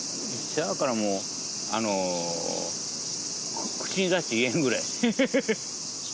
せやからもう、口に出して言えんぐらい。